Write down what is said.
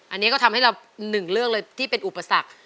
อันนี้ก็ทำให้เราหนึ่งเรื่องเลยที่เป็นอุปสรรค